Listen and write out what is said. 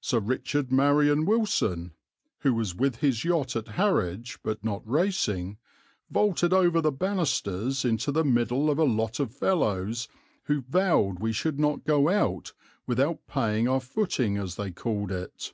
Sir Richard Marion Wilson, who was with his yacht at Harwich, but not racing, vaulted over the banisters into the middle of a lot of fellows who vowed we should not go out without paying our footing as they called it.